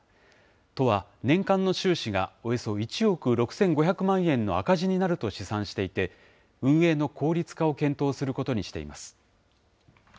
都は年間の収支がおよそ１億６５００万円の赤字になると試算していて、運営の効率化を検討することにしています。